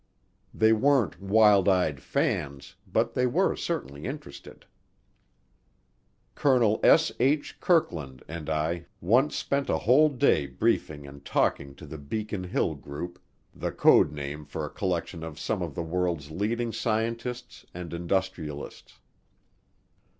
They weren't wild eyed fans but they were certainly interested. Colonel S. H. Kirkland and I once spent a whole day briefing and talking to the Beacon Hill Group, the code name for a collection of some of the world's leading scientists and industrialists.